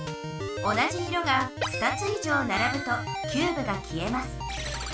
同じ色が２つ以上ならぶとキューブが消えます。